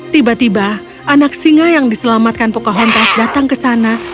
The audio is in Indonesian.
tiba tiba anak singa yang diselamatkan pocahontas datang ke sana